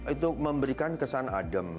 itu memberikan kesan adem